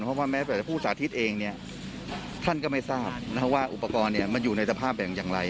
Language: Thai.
เพราะว่าแม้แต่ผู้สาธิตเองเนี่ยท่านก็ไม่ทราบว่าอุปกรณ์มันอยู่ในสภาพแบ่งอย่างไร